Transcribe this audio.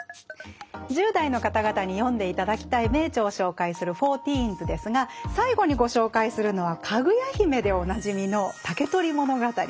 １０代の方々に読んで頂きたい名著を紹介する「ｆｏｒティーンズ」ですが最後にご紹介するのはかぐや姫でおなじみの「竹取物語」です。